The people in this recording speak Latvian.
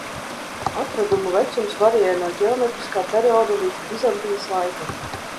Atradumu vecums variē no ģeometriskā perioda līdz Bizantijas laikam.